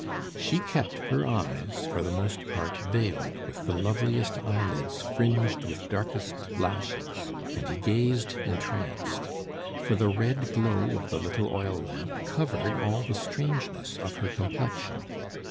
She kept her eyes for the most part veiled with the loveliest eyelids fringed with darkest lashes, and he gazed entranced; for the red glow of the little oil lamp covered all the strangeness of her complexion.